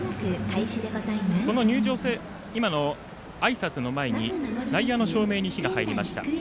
今のあいさつの前に内野の照明に火が入りました。